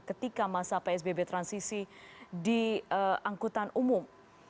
ketika masa psbb transisi di angkutan umum